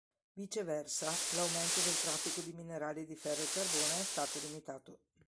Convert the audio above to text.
Viceversa, l'aumento del traffico di minerali di ferro e carbone è stato limitato.